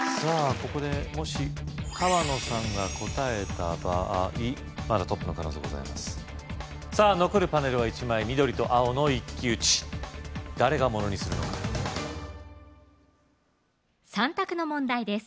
ここでもし川野さんが答えた場合まだトップの可能性ございますさぁ残るパネルは１枚緑と青の一騎打ち誰がものにするのか３択の問題です